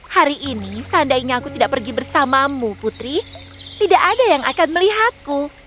hari ini seandainya aku tidak pergi bersamamu putri tidak ada yang akan melihatku